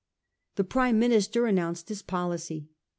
The Prime Minister announced his policy.